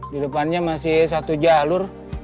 di depannya masih satu jalur